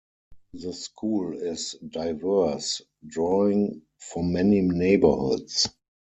The school is diverse, drawing from many neighborhoods.